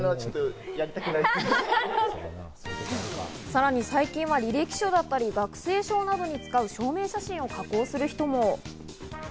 さらに最近は履歴書だったり、学生証などに使う証明写真を加工する人も。